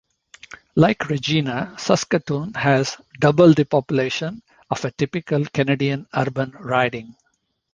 Like Regina, Saskatoon has double the population of a typical Canadian urban riding.